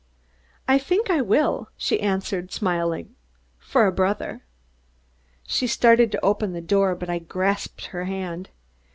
"I think I will " she answered, smiling, "for a brother." She started to open the door, but I grasped her hand.